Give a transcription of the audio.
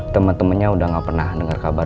temen temennya udah gak pernah dengar kabar